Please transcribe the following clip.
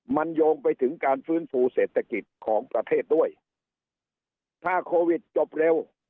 มันโยงไปถึงการฟื้นฟูเศรษฐกิจของประเทศด้วยถ้าโควิดจบเร็ว